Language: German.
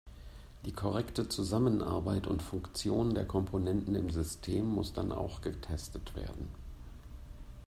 Die korrekte Zusammenarbeit und Funktion der Komponenten im System muss dann auch getestet werden.